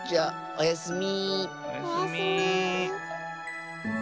おやすみ。